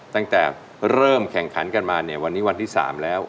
ตั้งแต่เริ่มแข่งขันกันมาเนี่ยวันนี้วันที่๓แล้ว